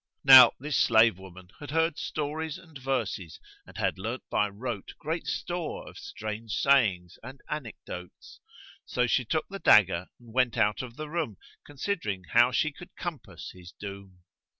Now this slave women had heard stories and verses and had learned by rote great store of strange sayings and anecdotes: so she took the dagger and went out of the room, considering how she could compass his doom.